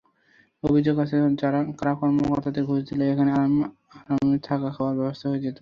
অভিযোগ আছে, কারা কর্মকর্তাদের ঘুষ দিলেই এখানে আরামে থাকা-খাওয়ার ব্যবস্থা হয়ে যেত।